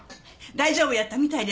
大丈夫やったみたいです。